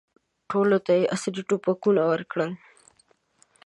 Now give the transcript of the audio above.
او ټولو ته یې عصري توپکونه ورکړل.